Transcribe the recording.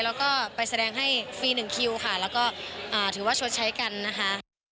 แล้วก็ไปแสดงให้ฟรีหนึ่งคิวค่ะแล้วก็ถือว่าชดใช้กันนะคะ